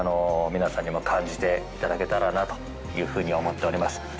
皆さんにも感じていただけたらなというふうに思っております。